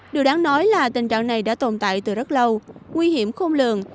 điều đáng nói là tình trạng này đã tồn tại từ rất lâu nguy hiểm khôn lường